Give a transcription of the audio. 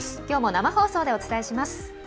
きょうも生放送でお伝えします。